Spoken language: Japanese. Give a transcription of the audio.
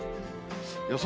予想